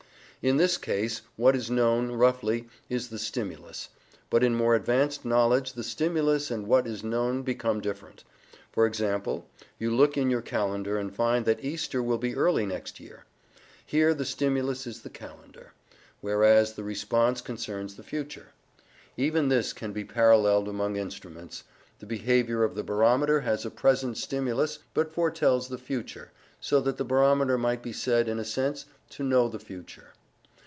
In this case, what is known, roughly, is the stimulus; but in more advanced knowledge the stimulus and what is known become different. For example, you look in your calendar and find that Easter will be early next year. Here the stimulus is the calendar, whereas the response concerns the future. Even this can be paralleled among instruments: the behaviour of the barometer has a present stimulus but foretells the future, so that the barometer might be said, in a sense, to know the future.